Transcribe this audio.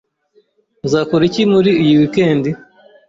Uzakora iki muri iyi weekend?